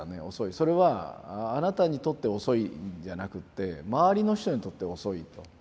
それはあなたにとって遅いんじゃなくって周りの人にとって遅いと。